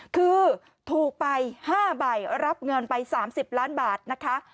คือถูกไป๕ใบรับเงินไป๓๐ล้านบาทนะคะ